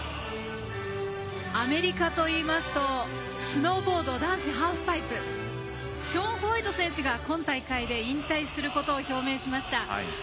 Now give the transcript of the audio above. アメリカといいますとスノーボード男子ハーフパイプショーン・ホワイト選手が今大会で引退することを表明しました。